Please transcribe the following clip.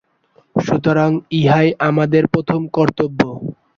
সুতরাং ইহাই আমাদের প্রথম কর্তব্য।